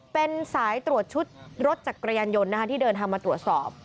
เป็นสายตรวจชุดรถจากกระยันยนต์ที่เดินทำมาตรวจสอบ